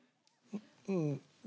うん。